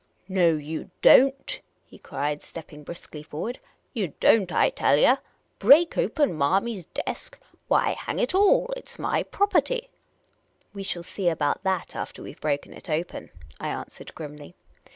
" No you don't," he cried, stepping briskly forward. " You don't, I tell yah ! Break open Marmy's desk ! Why, hang it all, it 's my property." " We shall see about that after we 've broken it open," I answered grimly.